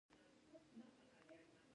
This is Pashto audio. هر ملت خپله افسانه لري.